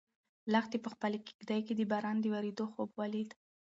لښتې په خپلې کيږدۍ کې د باران د ورېدو خوب ولید.